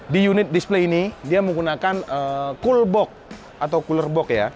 di unit display ini dia menggunakan cooler box